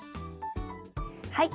はい。